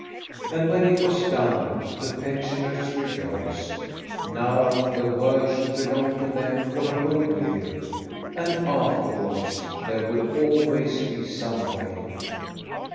And when it was done the pensioners rejoiced. Now the world should belong to them for a whole year, and afterwards there would always be some way.